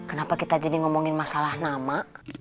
kenapa kita jadi ngomongin masalah nama